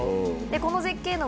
この絶景の。